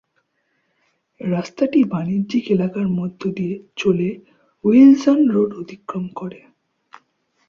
রাস্তাটি বাণিজ্যিক এলাকার মধ্য দিয়ে চলে উইলসন রোড অতিক্রম করে।